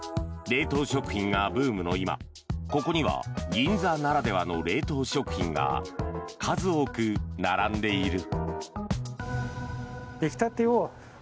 冷凍食品がブームの今、ここには銀座ならではの冷凍食品が数多く並んでいる。